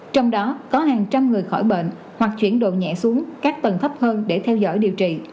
trong đó có hàng trăm người khỏi bệnh hoặc chuyển độ nhẹ xuống các tầng thấp hơn để theo dõi điều trị